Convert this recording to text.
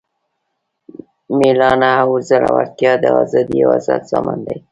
میړانه او زړورتیا د ازادۍ او عزت ضامن دی.